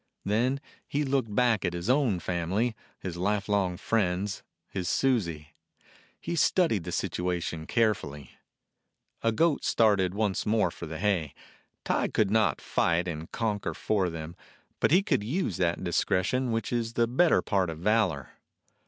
Then he looked back at his own family, his life long friends, his Susie. He studied the situation carefully. A goat started once more for the hay. Tige could not fight and conquer for them, but he could use that discretion which is the better part of valor.